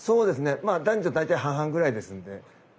まあ男女大体半々ぐらいですので。